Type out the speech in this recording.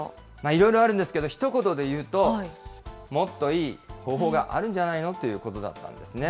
いろいろあるんですけど、ひと言で言うと、もっといい方法があるんじゃないかのということだったんですね。